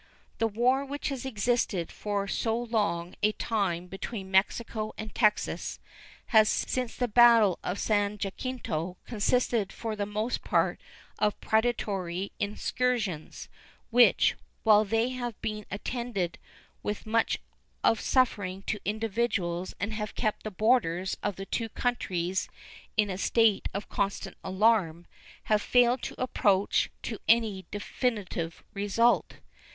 The war which has existed for so long a time between Mexico and Texas has since the battle of San Jacinto consisted for the most part of predatory incursions, which, while they have been attended with much of suffering to individuals and have kept the borders of the two countries in a state of constant alarm, have failed to approach to any definitive result.